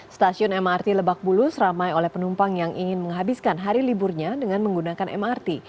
stasiun mrt lebak bulus ramai oleh penumpang yang ingin menghabiskan hari liburnya dengan menggunakan mrt